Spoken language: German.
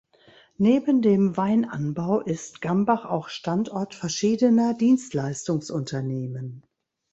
Neben dem Weinanbau ist Gambach auch Standort verschiedener Dienstleistungsunternehmen.